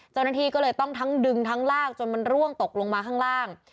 เจ้าหน้าที่ก็เลยต้องทั้งดึงทั้งลากจนมันร่วงตกลงมาข้างล่าง